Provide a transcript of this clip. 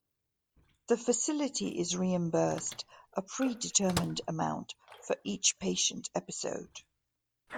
The facility is reimbursed a predetermined amount for each patient episode.